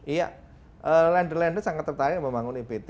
iya lender lender sangat tertarik untuk membangun ebt